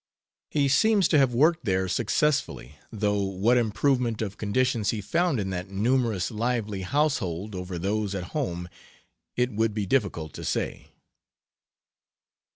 He seems to have worked there successfully, though what improvement of conditions he found in that numerous, lively household, over those at home it would be difficult to say.